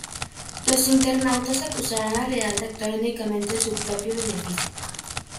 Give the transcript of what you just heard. Los internautas acusaron a Real de actuar únicamente en su propio beneficio.